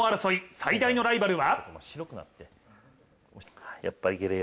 最大のライバルは？